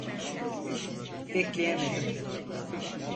Bekleyemedim.